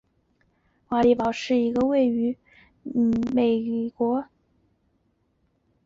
瓦利堡是一个位于美国乔治亚州皮奇县的城市。